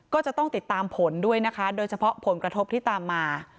ก็จะต้องติดตามผลด้วยนะคะโดยเฉพาะผลกระทบที่ตามมา